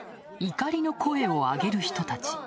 怒りの声を上げる人たち。